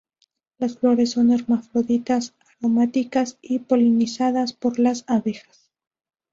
Las flores son hermafroditas, aromáticas y polinizadas por las abejas.